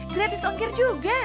gratis ongkir juga